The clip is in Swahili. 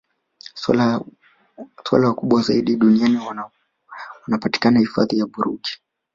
swala wakubwa zaidi duniani wanapatikana hifadhi ya burigi